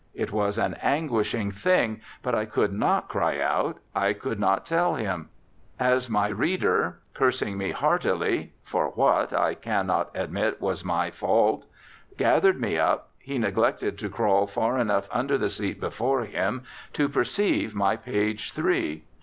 It was an anguishing thing, but I could not cry out, I could not tell him: as my reader, cursing me heartily (for what I cannot admit was my fault) gathered me up, he neglected to crawl far enough under the seat before him to perceive my page three.